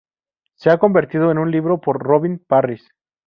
Se ha convertido en un libro por Robin Parrish.